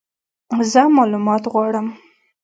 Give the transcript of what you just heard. زه مالومات غواړم !